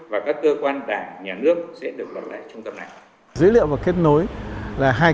và đảm bảo đồng bộ thống nhất